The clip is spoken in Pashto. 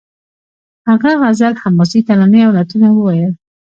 هغه غزل حماسي ترانې او نعتونه وویل